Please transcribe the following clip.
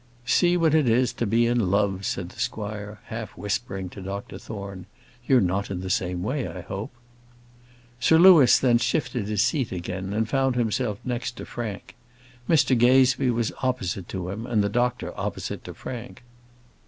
"See what it is to be in love," said the squire, half whispering to Dr Thorne. "You're not in the same way, I hope?" Sir Louis then shifted his seat again, and found himself next to Frank. Mr Gazebee was opposite to him, and the doctor opposite to Frank.